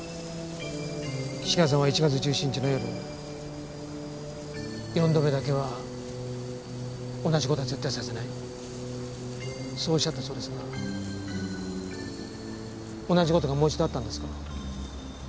志賀さんは１月１７日の夜四度目だけは同じ事は絶対させないそうおっしゃったそうですが同じ事がもう一度あったんですか？